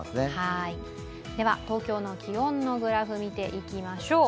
東京の気温のグラフを見ていきましょう。